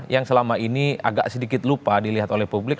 yang selama ini agak sedikit lupa dilihat oleh publik